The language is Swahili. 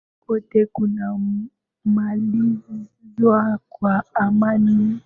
kote kunamalizwa kwa amani na bila mizozo